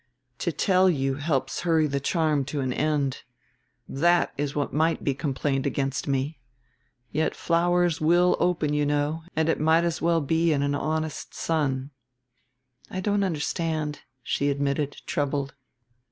"To tell you helps hurry the charm to an end. That is what might be complained against me. Yet flowers will open, you know, and it might as well be in an honest sun." "I don't understand," she admitted, troubled.